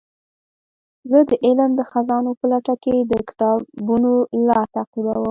زه د علم د خزانو په لټه کې د کتابونو لار تعقیبوم.